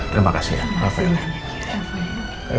terima kasih ya maaf banyak banyak